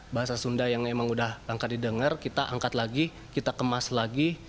bahasa sunda yang emang udah langka didengar kita angkat lagi kita kemas lagi